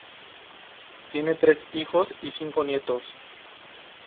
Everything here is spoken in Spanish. Tiene tres hijos y cinco nietos.